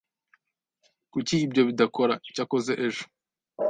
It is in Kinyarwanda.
Kuki ibyo bidakora? Cyakoze ejo.